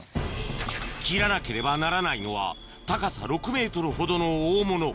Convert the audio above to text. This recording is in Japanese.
切らなければならないのは高さ６ｍほどの大物